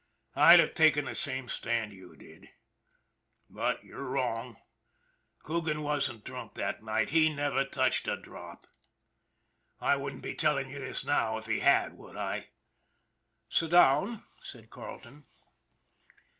I'd have taken the same stand you did. But you're wrong. Coogan wasn't drunk that night he never touched a drop. I 178 ON THE IRON AT BIG CLOUD wouldn't be telling you this now, if he had, would I?" " Sit down," said Carleton.